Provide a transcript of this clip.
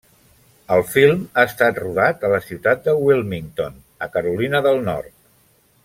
El film ha estat rodat a la ciutat de Wilmington a Carolina del Nord.